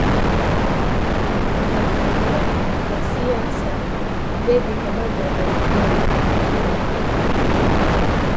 W'afungwa w'a siasa w'ew'ika magome eri w'ilekerelo.